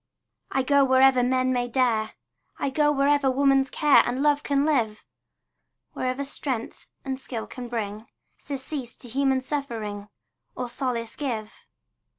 I go wherever men may dare, I go wherever woman's care And love can live, Wherever strength and skill can bring Surcease to human suffering, Or solace give.